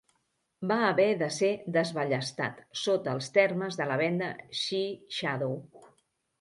Va haver de ser desballestat sota els termes de la venda "Sea Shadow".